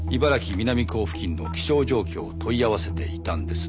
南港付近の気象状況を問い合わせていたんです。